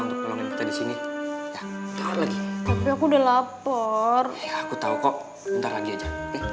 untuk mencari sini tapi aku udah lapar aku tahu kok entar lagi aja